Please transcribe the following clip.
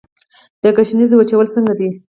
د ګشنیزو وچول څنګه دي؟